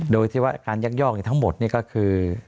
โดยที่ว่าการยักยอกทั้งหมดนี่ก็คือ